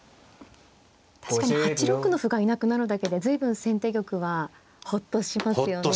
確かに８六の歩がいなくなるだけで随分先手玉はほっとしますよね。